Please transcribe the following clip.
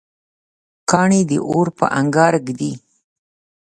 کاڼی د اور په انګار ږدي.